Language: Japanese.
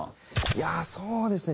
いやあそうですね